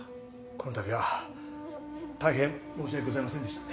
この度は大変申し訳ございませんでした。